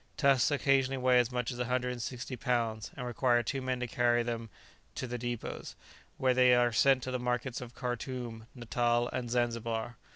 Tusks occasionally weigh as much as 160 lbs., and require two men to carry them to the dépôts, whence they are sent to the markets of Khartoom, Natal, and Zanzibar.